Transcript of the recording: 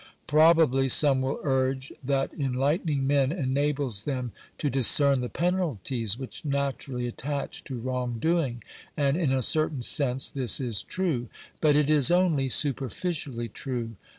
Probably some will urge that enlightening men enables them to discern the penalties which naturally attach to wrong doing; and in a certain sense this is true. But it is only superficially true.